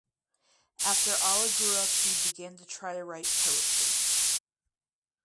After Ala grew up he began to try to write poetry.